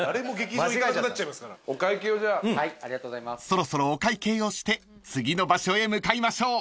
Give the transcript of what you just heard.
［そろそろお会計をして次の場所へ向かいましょう］